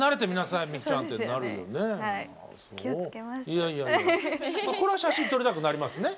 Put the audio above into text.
いやいやいやこれは写真撮りたくなりますね。